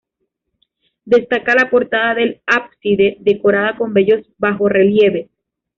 Destaca la portada del ábside, decorada con bellos bajorrelieves.